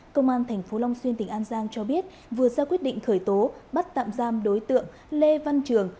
công an tp long xuyên tỉnh an giang cho biết vừa ra quyết định khởi tố bắt tạm giam đối tượng lê văn trường